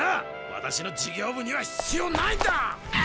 私の事業部には必要ないんだ！